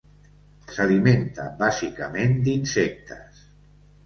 S'alimenta bàsicament d'insectes.